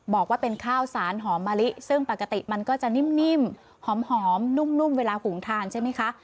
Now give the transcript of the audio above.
บอกว่าเป็นข้าวสารหอมมะลิซึ่งปกติมันก็จะนิ่มหอมนุ่มเวลาหุงทานใช่ไหมคะ